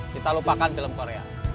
kita lupakan film korea